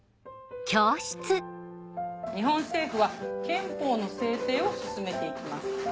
日本政府は憲法の制定を進めて行きます。